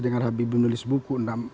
dengan habibie menulis buku